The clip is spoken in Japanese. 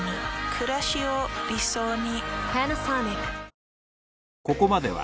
くらしを理想に。